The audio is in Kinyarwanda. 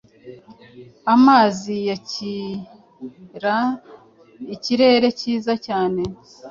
Amazi yakiraikirere cyiza cyane